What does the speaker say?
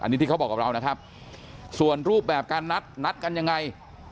อันนี้ที่เขาบอกกับเรานะครับส่วนรูปแบบการนัดนัดกันยังไง